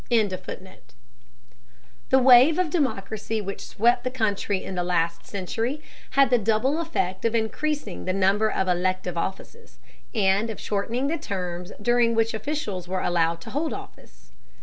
] The wave of democracy which swept the country in the last century had the double effect of increasing the number of elective offices, and of shortening the terms during which officials were allowed to hold office.